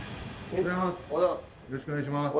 おはようございます。